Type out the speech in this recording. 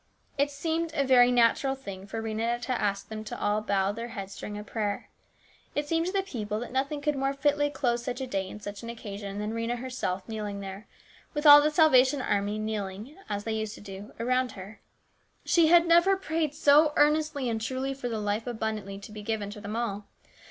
It seemed a very natural thing then for Rhena to ask all to bow their heads during a prayer. It seemed to the people that nothing could more fitly close such a day and such an occasion than Rhena herself kneeling there, with all the Salvation Army kneeling, as they used to do, around her. She had never prayed so earnestly and truly for the life abundantly to be given to them all.